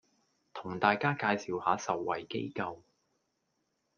同大家介紹下受惠機構